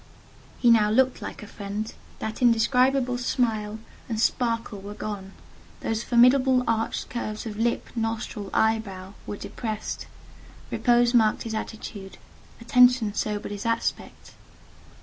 He now looked like a friend: that indescribable smile and sparkle were gone; those formidable arched curves of lip, nostril, eyebrow, were depressed; repose marked his attitude—attention sobered his aspect.